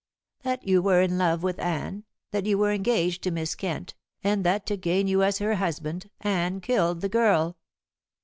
"That you were in love with Anne, that you were engaged to Miss Kent, and that to gain you as her husband Anne killed the girl."